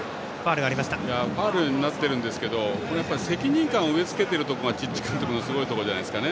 ファウルになっていますが責任感を植えつけているところがチッチ監督のすごいところじゃないですかね。